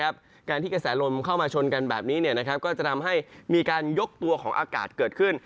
การที่กระแสลมเข้ามาชนกันแบบนี้ก็จะทำให้มีการยกตัวของอากาศเกิดขึ้น